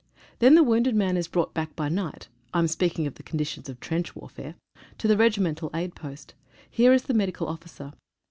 Then the wounded man is brought back by night (I am speaking of the conditions of trench warfare) to the regimental aid post. Here is the medical officer.